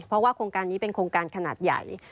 เพราะว่าโครงการนี้เป็นโครงการขนาดใหญ่